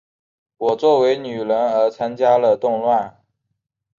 我作为女人而参与了动乱。